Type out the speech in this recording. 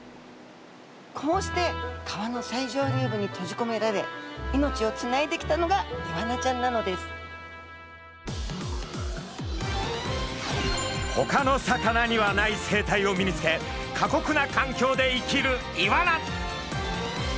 こうして川の最上流部に閉じこめられ命をつないできたのがイワナちゃんなのですほかの魚にはない生態を身につけ過酷な環境で生きるイワナ。